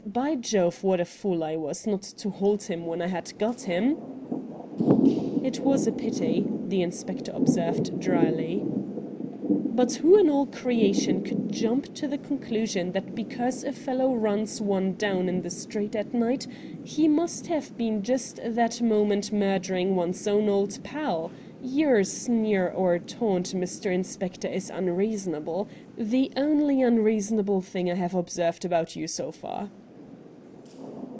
By Jove, what a fool I was not to hold him when I had got him !'' It was a pity,' the inspector observed drily. 'But who in all creation could jump to the conclusion that because a fellow runs one down in the street at night he must have been just that moment murdering one's own old pal ? Your sneer or taunt, Mr. Inspector, is unreasonable — the only unreasonable thing I have observed about you, so far.'